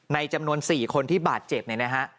จำนวน๔คนที่บาดเจ็บเนี่ยนะฮะ